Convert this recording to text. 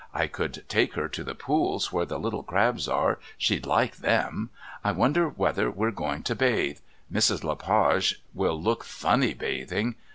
I could take her to the pools where the little crabs are. She'd like them. I wonder whether we're going to bathe. Mrs. Le Page will look funny bathing..."